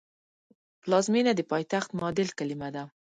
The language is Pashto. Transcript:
پلازمېنه د پایتخت معادل کلمه ده